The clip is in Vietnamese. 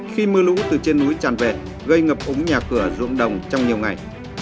khi mưa lũ từ trên núi tràn vẹt gây ngập ống nhà cửa ruộng đồng trong nhiều ngày